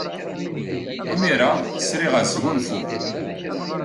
Imir-a, sriɣ ad sgunfuɣ.